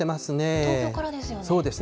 東京からですよね。